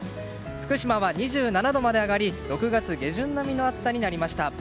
福島は２７度まで上がり６月下旬並みの暑さになりました。